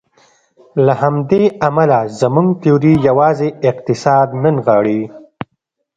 له همدې امله زموږ تیوري یوازې اقتصاد نه نغاړي.